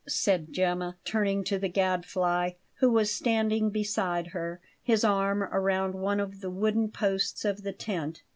said Gemma, turning to the Gadfly, who was standing beside her, his arm round one of the wooden posts of the tent.